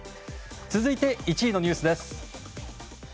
続いて１位のニュースです。